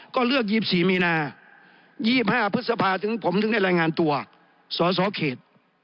ก็เลือก๒๔มีนา๒๕พฤษภาถึงผมถึงได้รายงานตัวสสเขต